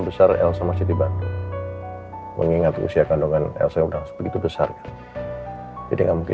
besar elsa masih di bandung mengingat usia kandungan elsa udah begitu besar jadi nggak